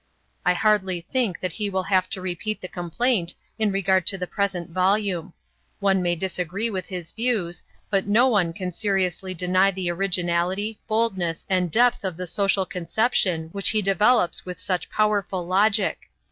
I hardly think that he will have to repeat the complaint in regard to the present volume. One may disagree with his views, but no one can seriously deny the originality, boldness, and depth of the social conception which he develops with such powerful logic.